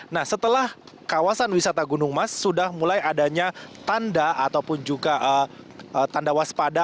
nah setelah kawasan wisata gunung mas sudah mulai adanya tanda ataupun juga tanda waspada